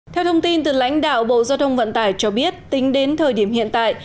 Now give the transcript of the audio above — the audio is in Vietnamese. theo thông tin từ lãnh đạo bộ giao thông vận tải cho biết tính đến thời điểm hiện tại